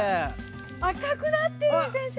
赤くなってる先生！